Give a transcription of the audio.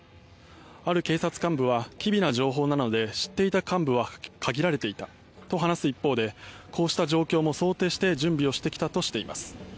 ある警察幹部は機微な情報なので知っていた幹部は限られていたと話す一方でこうした状況も想定して準備をしてきたとしています。